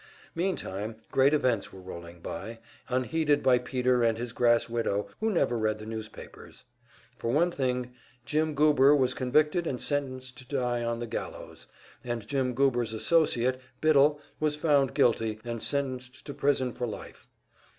Meantime great events were rolling by, unheeded by Peter and his grass widow who never read the newspapers. For one thing Jim Goober was convicted and sentenced to die on the gallows, and Jim Goober's associate, Biddle, was found guilty, and sentenced to prison for life.